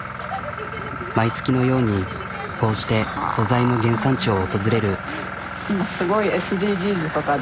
毎月のようにこうして素材の原産地を訪れる。